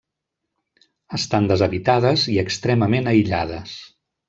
Estan deshabitades i extremament aïllades.